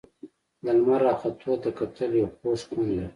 د لمر راختو ته کتل یو خوږ خوند لري.